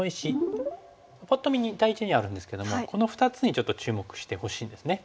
パッと見似た位置にあるんですけどもこの２つにちょっと注目してほしいんですね。